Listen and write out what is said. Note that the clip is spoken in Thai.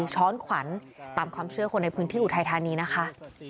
ช้อนขวัญตามความเชื่อคนในพื้นที่อุทัยธานีนะคะ